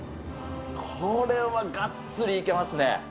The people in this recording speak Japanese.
これはがっつりいけますね。